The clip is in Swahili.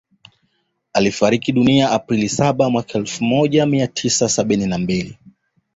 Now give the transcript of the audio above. Alifariki dunia April saba mwaka elfu moja mia tisa sabini na mbili